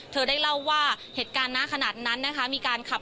พูดสิทธิ์ข่าวธรรมดาทีวีรายงานสดจากโรงพยาบาลพระนครศรีอยุธยาครับ